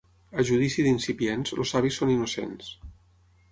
A judici d'incipients, els savis són innocents.